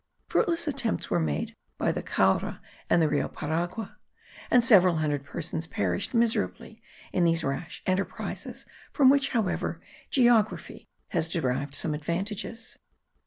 Fruitless attempts were made by the Caura and the Rio Paragua; and several hundred persons perished miserably in these rash enterprises, from which, however, geography has derived some advantages.